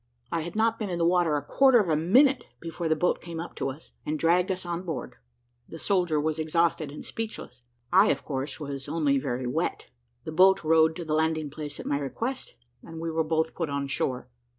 I had not been in the water a quarter of a minute before the boat came up to us, and dragged us on board. The soldier was exhausted and speechless; I, of course, was only very wet. The boat rowed to the landing place at my request, and we were both put on shore.